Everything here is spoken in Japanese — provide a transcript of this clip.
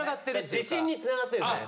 自信につながってるんですよね